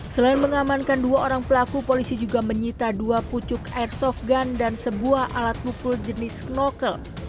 selain mengamankan dua orang pelaku polisi juga menyita dua pucuk air soft gun dan sebuah alat mukul jenis snorkel